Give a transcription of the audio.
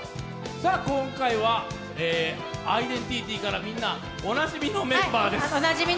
今回はアイデンティティからおなじみのメンバーです。